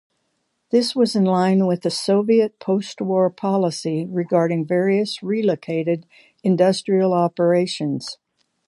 This was in line with the Soviet post-war policy regarding various relocated industrial operations.